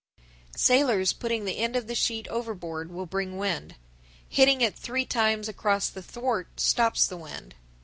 1067. Sailors putting the end of the sheet overboard will bring wind. Hitting it three times across the thwart stops the wind.